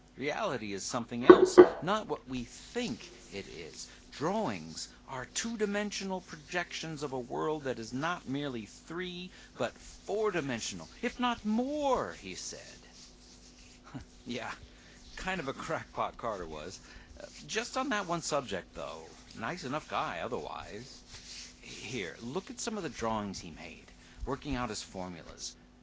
Reality is something else, not what we think it is. Drawings are two dimensional projections of a world that is not merely three but four dimensional, if not more," he said. Yeh, kind of a crackpot, Carter was. Just on that one subject, though; nice enough guy otherwise. Here, look at some of the drawings he made, working out his formulas.